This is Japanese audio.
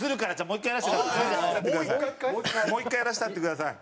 もう１回やらせてやってください。